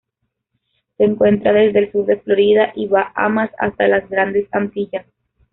Se encuentra desde el sur de Florida y Bahamas hasta las Grandes Antillas.